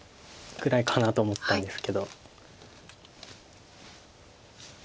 くらいかなと思ったんですけど。